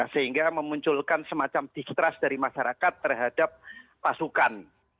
sehingga memunculkan semacam distrust dari masyarakat terhadap pasukan